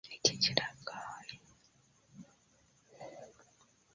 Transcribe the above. En teatraĵoj la plenumantoj prezentis per si miksaĵon de ĉiuj gentoj kaj popoloj.